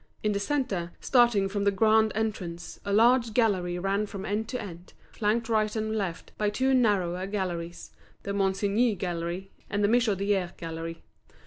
In the centre, starting from the grand entrance, a large gallery ran from end to end, flanked right and left by two narrower galleries, the Monsigny Gallery and the Michodière Gallery.